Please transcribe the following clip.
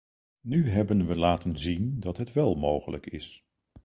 Nu hebben we laten zien dat het wel mogelijk is.